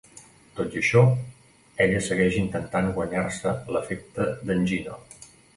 Tot i això, ella segueix intentat guanyar-se l"afecte de"n Gino.